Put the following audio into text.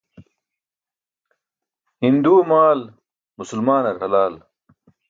Hinduwe maal musulmaanar halal.